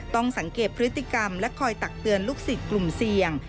ต้องสังเกตพฤติกรรมและคอยตักเตือนลูกศิษย์กลุ่มเสี่ยง